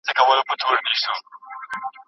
نه غماز راته دېره وي نه سهار سي له آذانه